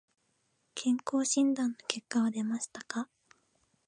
健康診断の結果は出ましたか。